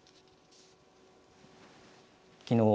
きのう